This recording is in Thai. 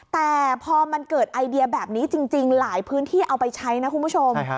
แต่พอมันเกิดไอเดียแบบนี้จริงหลายพื้นที่เอาไปใช้นะคุณผู้ชม